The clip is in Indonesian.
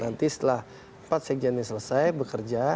nanti setelah empat sekjen ini selesai bekerja